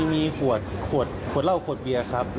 มีขวดขวดเหล้าขวดเบียร์ครับ